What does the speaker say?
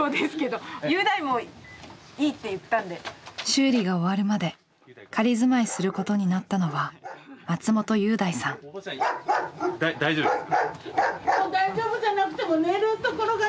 修理が終わるまで仮住まいすることになったのは大丈夫ですか？